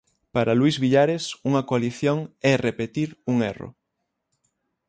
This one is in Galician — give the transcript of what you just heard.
Para Luis Villares unha coalición é repetir "un erro".